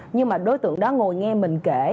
nhưng mà đối tượng đó ngồi nghe mình kể